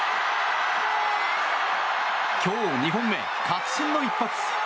今日２本目、確信の一発。